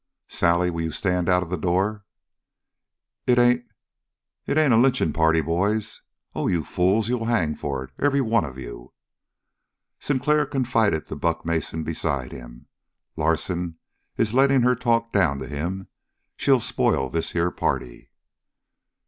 "Sally, will you stand out of the door?" "It ain't it ain't a lynching party, boys? Oh, you fools, you'll hang for it, every one of you!" Sinclair confided to Buck Mason beside him: "Larsen is letting her talk down to him. She'll spoil this here party."